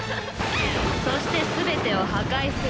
そして全てを破壊する。